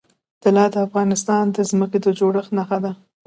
طلا د افغانستان د ځمکې د جوړښت نښه ده.